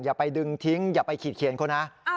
อย่าไปดึงทิ้งอย่าไปขีดเขียนเขานะ